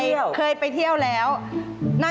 ตื่นขึ้นมาอีกทีตอน๑๐โมงเช้า